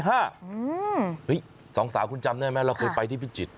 สองสาวคุณจำได้ไหมเราเคยไปที่พิจิตร